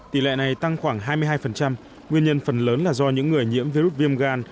tỷ lệ này tăng khoảng hai mươi hai nguyên nhân phần lớn là do những người nhiễm virus viêm gan